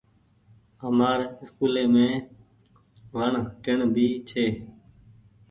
همآر اسڪولي مين وڻ ٽيئڻ ڀي ڇي۔